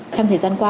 trong thời gian qua